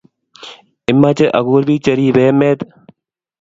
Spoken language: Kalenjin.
Imache aguur biik cheribe emet?